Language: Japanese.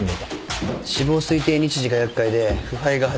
死亡推定日時が厄介で腐敗が始まってる。